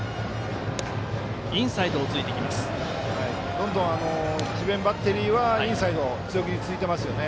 どんどん、智弁バッテリーはインサイドを強気についてますよね。